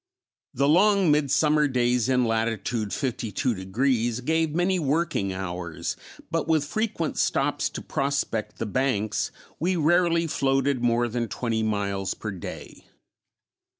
The long midsummer days in latitude 52° gave many working hours, but with frequent stops to prospect the banks we rarely floated more than twenty miles per day.